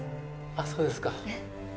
あっそうですか。